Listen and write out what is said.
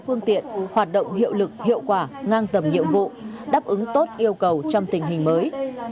ứng tốt yêu cầu trong tình hình mới